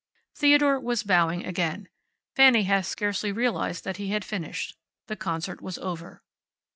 Theodore was bowing again. Fanny had scarcely realized that he had finished. The concert was over.